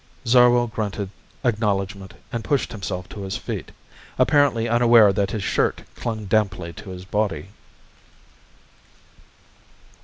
Zarwell grunted acknowledgment and pushed himself to his feet, apparently unaware that his shirt clung damply to his body.